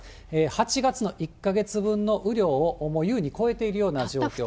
８月の１か月分の雨量を優に超えているような状況です。